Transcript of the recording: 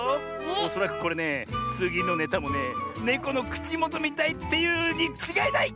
おそらくこれねつぎのネタもねネコのくちもとみたいっていうにちがいない！